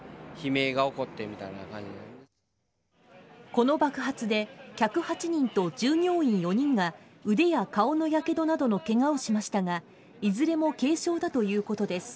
この爆発で客８人と従業員４人が腕や顔のやけどなどのケガをしましたがいずれも軽傷だということです。